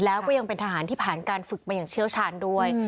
แล้วก็ยังเป็นทหารที่ผ่านการฝึกมาอย่างเชี่ยวชาญด้วย